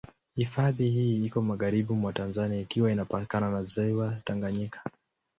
Hifadhi hii iko magharibi mwa Tanzania ikiwa inapakana na Ziwa Tanganyika.